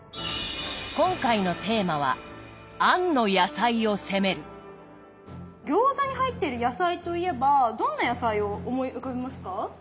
今回のテーマは餃子に入っている野菜といえばどんな野菜を思い浮かべますか？